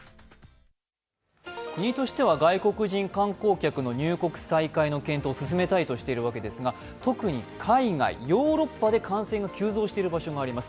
国としては外国人観光客の入国の再開を進めたいとしているわけですが、特に海外、ヨーロッパで感染が急増している場所があります。